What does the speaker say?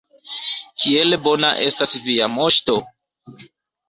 Kiel bona estas Via Moŝto!